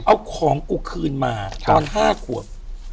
เอาของกูคืนมาตอน๕ขวบ